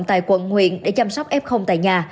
tại quận huyện để chăm sóc f tại nhà